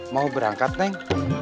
mau berangkat neng